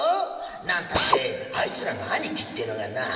何たってあいつらの兄貴ってのがなあ